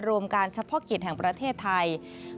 รวมการเฉพาะกิจแห่งประเทศไทย